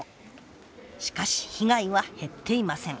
しかし被害は減っていません。